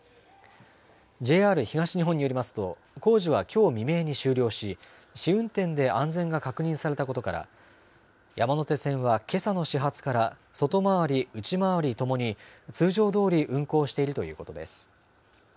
ＪＲ東日本によりますと、工事はきょう未明に終了し、試運転で安全が確認されたことから、山手線はけさの始発から、外回り、内回りともに通常どおり運行しているということです。